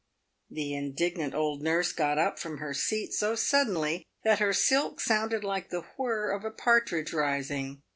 The indignant old nurse got up from her seat so suddenly, that her silk sounded like the whirr of a partridge rising.